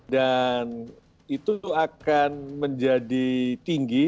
dan itu akan menjadi tinggi